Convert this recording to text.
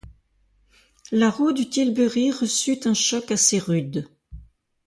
La roue du tilbury reçut un choc assez rude.